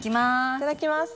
いただきます。